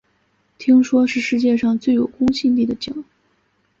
听说是世界上最有公信力的奖